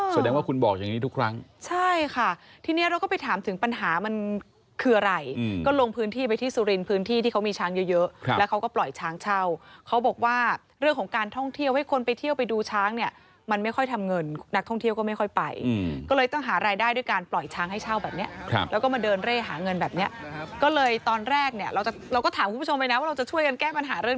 แนนสงสารแนนสงสารแนนสงสารแนนสงสารแนนสงสารแนนสงสารแนนสงสารแนนสงสารแนนสงสารแนนสงสารแนนสงสารแนนสงสารแนนสงสารแนนสงสารแนนสงสารแนนสงสารแนนสงสารแนนสงสารแนนสงสารแนนสงสารแนนสงสารแนนสงสารแนนสงสารแนนสงสารแนนสงสารแนนสงสารแนนสงสารแนนสงสารแนนสงสารแนนสงสารแนนสงสารแนนสง